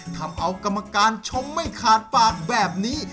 ทำเอากรรมการชมไม่ขาดปากแบบนี้